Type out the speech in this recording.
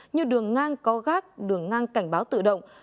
như đường ngang có gác đường ngang cảnh báo tự động